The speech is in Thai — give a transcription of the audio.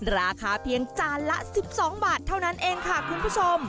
ราคาเพียงจานละ๑๒บาทเท่านั้นเองค่ะคุณผู้ชม